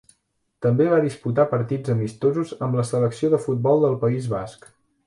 També va disputar partits amistosos amb la selecció de futbol del País Basc.